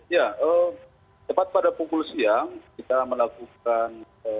ya tepat pada pukul siang kita melakukan